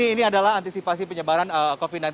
ini adalah antisipasi penyebaran covid sembilan belas